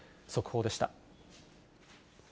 速報でした。